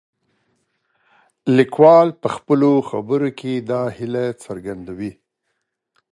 لیکوال په خپلو خبرو کې دا هیله څرګندوي.